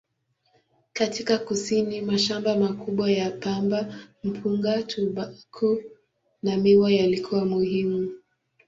Katika kusini, mashamba makubwa ya pamba, mpunga, tumbaku na miwa yalikuwa muhimu.